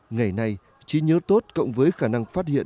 ngày nay trí nhớ tốt cộng với khả năng phát hiện